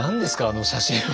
あの写真は。